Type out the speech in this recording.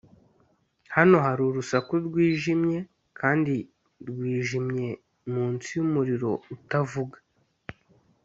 hano hari urusaku rwijimye kandi rwijimye munsi yumuriro utavuga,